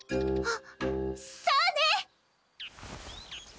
あっそうね！